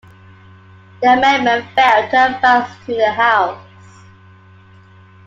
The amendment failed to advance to the House.